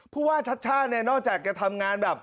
เพราะว่าชาติช่างนอกจากจะทำงานแบบ